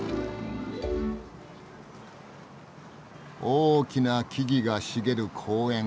大きな木々が茂る公園。